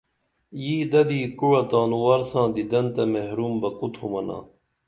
ییی ددی کُوعہ تانوار ساں دِدن تہ محروم بہ کو تھُمنا